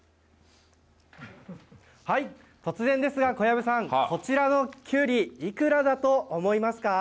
突然ですが、小籔さん、こちらのキュウリ、いくらだと思いますか？